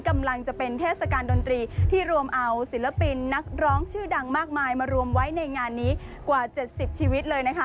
กำลังจะเป็นเทศกาลดนตรีที่รวมเอาศิลปินนักร้องชื่อดังมากมายมารวมไว้ในงานนี้กว่า๗๐ชีวิตเลยนะคะ